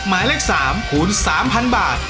หมายเลข๓คูณ๓๐๐บาท